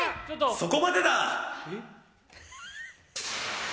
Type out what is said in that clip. ・そこまでだ！